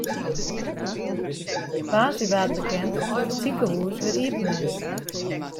Woansdei waard bekend dat it sikehûs wer iepen is.